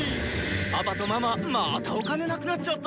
パパとママまたお金なくなっちゃった。